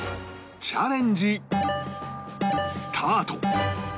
チャレンジスタート